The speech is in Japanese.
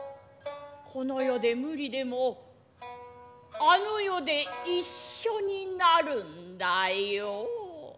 この世で無理でもあの世で一緒になるんだよ。